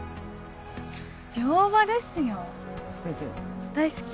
乗馬ですよ、大好き。